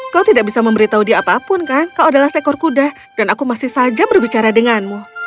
kau tidak bisa memberitahu dia apapun kan kau adalah seekor kuda dan aku masih saja berbicara denganmu